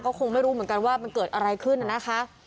ก็คงไม่รู้เหมือนกันว่ามันเกิดอะไรขึ้นนะคะ